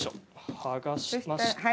剥がしまして。